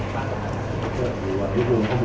ถ้าหายใหม่ก็หลุดคู่กัน